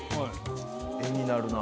画になるな。